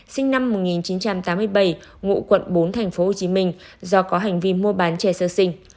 sinh năm một nghìn chín trăm tám mươi bảy ngụ quận bốn tp hcm do có hành vi mua bán trẻ sơ sinh